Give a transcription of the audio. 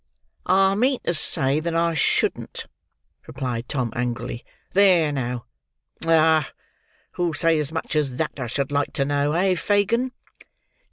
"I mean to say that I shouldn't," replied Tom, angrily. "There, now. Ah! Who'll say as much as that, I should like to know; eh, Fagin?"